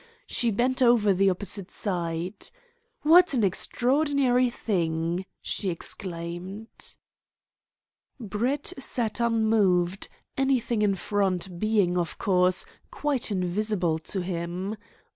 She bent over the opposite side. "What an extraordinary thing!" she exclaimed. Brett sat unmoved, anything in front being, of course, quite invisible to him.